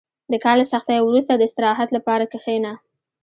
• د کار له سختۍ وروسته، د استراحت لپاره کښېنه.